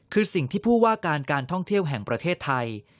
คือสิ่งที่ผู้ว่าการการท่องเที่ยวแห่งประเทศไทย